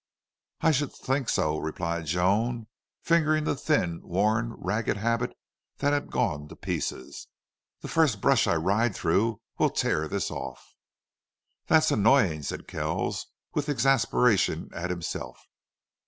"I should think so," replied Joan, fingering the thin, worn, ragged habit that had gone to pieces. "The first brush I ride through will tear this off." "That's annoying," said Kells, with exasperation at himself.